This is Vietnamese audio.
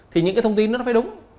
thì những thông tin đó phải đúng